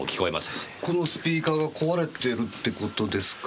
このスピーカーが壊れてるって事ですか？